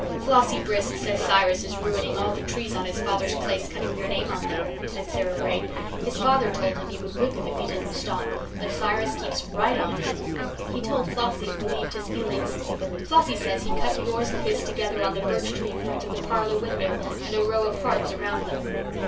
"Flossie Brisk says Cyrus is ruining all the trees on his father's place cutting your name on them," said Sara Ray. "His father told him he would whip him if he didn't stop, but Cyrus keeps right on. He told Flossie it relieved his feelings. Flossie says he cut yours and his together on the birch tree in front of the parlour window, and a row of hearts around them."